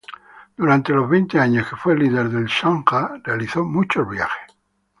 Durante los veinte años que fue líder del sangha, realizó muchos viajes.